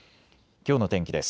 きょうの天気です。